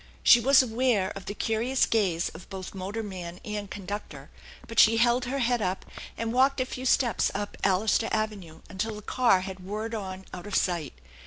She was aware of the curious gaze of both motorman and conductor, but she held her head up, and walked a few steps up Allister Avenue until the car had whirred on out of sight.